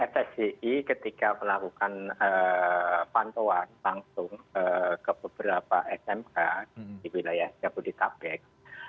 fsgi ketika melakukan pantauan langsung ke beberapa smk di wilayah jabodetabek